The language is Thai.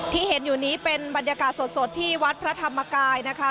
ที่เห็นอยู่นี้เป็นบรรยากาศสดที่วัดพระธรรมกายนะคะ